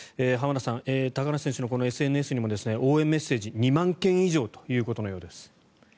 浜田さん高梨選手のこのＳＮＳにも応援メッセージ２万件以上ということのようです。